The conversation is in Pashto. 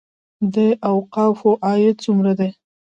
د اوقافو عاید څومره دی؟